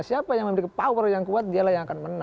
siapa yang memiliki power yang kuat dialah yang akan menang